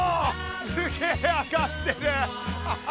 すげえあがってる！